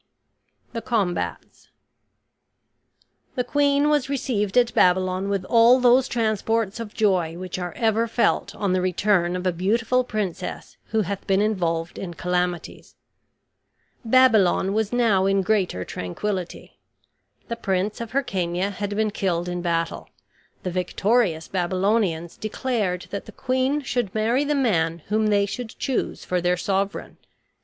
THE COMBATS The queen was received at Babylon with all those transports of joy which are ever felt on the return of a beautiful princess who hath been involved in calamities. Babylon was now in greater tranquillity. The Prince of Hircania had been killed in battle. The victorious Babylonians declared that the queen should marry the man whom they should choose for their sovereign.